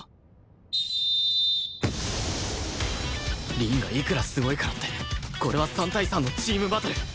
凛がいくらすごいからってこれは３対３のチームバトル